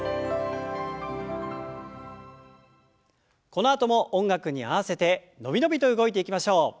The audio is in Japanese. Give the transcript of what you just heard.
このあとも音楽に合わせて伸び伸びと動いていきましょう。